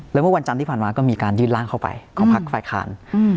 แล้วเมื่อวันจันทร์ที่ผ่านมาก็มีการยื่นร่างเข้าไปของพักฝ่ายค้าน